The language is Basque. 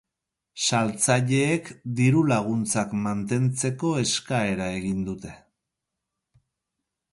Saltzaileek diru-laguntzak mantentzeko eskaera egin dute.